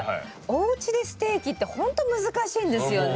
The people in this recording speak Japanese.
おうちでステーキってほんと難しいんですよね。